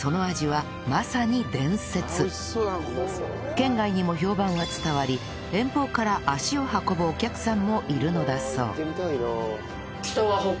県外にも評判は伝わり遠方から足を運ぶお客さんもいるのだそう